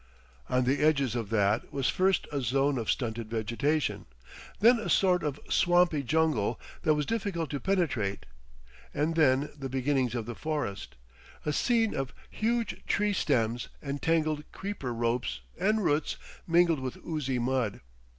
On the edges of that was first a zone of stunted vegetation, then a sort of swampy jungle that was difficult to penetrate, and then the beginnings of the forest, a scene of huge tree stems and tangled creeper ropes and roots mingled with oozy mud.